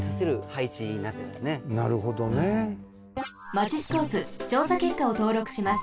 マチスコープちょうさけっかをとうろくします。